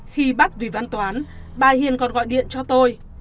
khi bắt vì văn toán bà hiền còn gọi điện cho tôi